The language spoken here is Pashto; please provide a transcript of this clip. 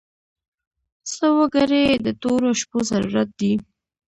څه وګړي د تورو شپو ضرورت وي.